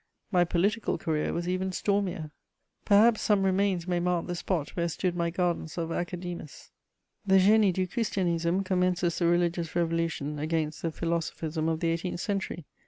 My political career was even stormier. Perhaps some remains may mark the spot where stood my gardens of Academus. The Génie du Christianisme commences the religious revolution against the philosophism of the eighteenth century.